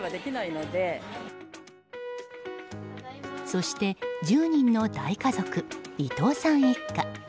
そして、１０人の大家族伊藤さん一家。